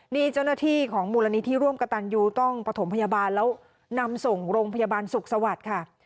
นี่เจ้าหน้าที่ของมูลนิธิร่วมกับตันยูต้องประถมพยาบาลแล้วนำส่งโรงพยาบาลสุขสวัสดิ์ค่ะ